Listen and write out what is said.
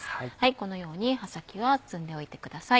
このように葉先は摘んでおいてください。